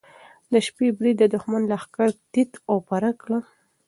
د شپې برید د دښمن لښکر تیت و پرک کړ.